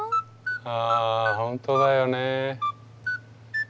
あ本当だよね。